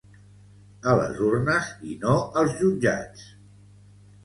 A les urnes, i no als jutjats.